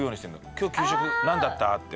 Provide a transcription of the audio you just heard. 今日給食何だった？って。